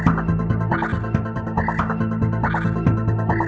komplek jati jaya jalan santani nomor dua belas